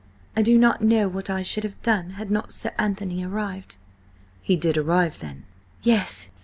I do not know what I should have done had not Sir Anthony arrived." "He did arrive then?" "Yes.